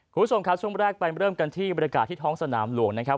คุณผู้ชมครับช่วงแรกไปเริ่มกันที่บรรยากาศที่ท้องสนามหลวงนะครับ